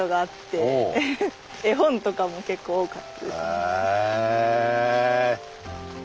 へえ。